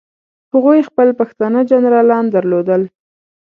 هغوی خپل پښتانه جنرالان درلودل.